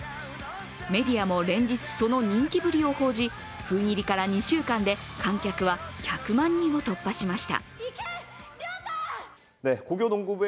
メディアも連日、その人気ぶりを報じ、封切りから２週間で観客は１００万人を突破しました。